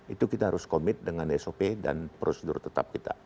itu kita harus komit dengan sop dan prosedur tetap kita